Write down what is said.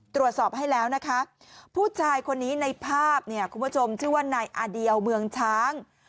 ตรวจสอบให้แล้วนะคะผู้ชายคนนี้ในภาพเนี่ยคุณผู้ชมชื่อว่านายอาเดียวเมืองช้าง